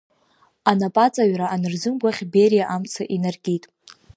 Анапы аҵаҩра анырзымгәаӷь Бериа амца инаркит.